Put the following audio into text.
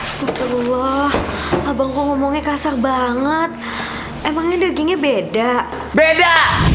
astagfirullah abang ngomongnya kasar banget emangnya dagingnya beda beda